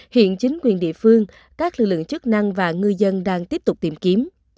hiện chính quyền địa phương các lực lượng chức năng và ngư dân đang tiếp tục tìm kiếm